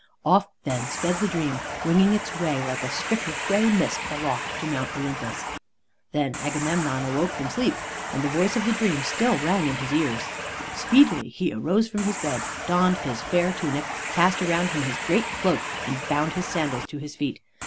'" Off then sped the Dream, winging its way like a strip of gray mist aloft to Mount Olympus. Then Agamemnon awoke from sleep, and the voice of the Dream still rang in his ears. Speedily he arose from his bed, donned his fair tunic, cast around him his great cloak, and bound his sandals on his feet.